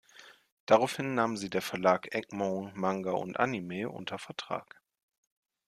Daraufhin nahm sie der Verlag Egmont Manga und Anime unter Vertrag.